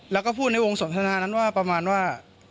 แล้วก็พูดในวงสนทนานั้นว่าประมาณว่า